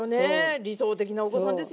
理想的なお子さんですよね。